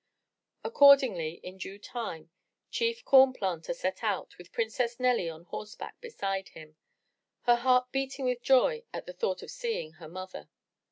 Accordingly, in due time. Chief Corn Planter set out, with Princess Nelly on horseback beside him, her heart beating with joy at thought of seeing her mother.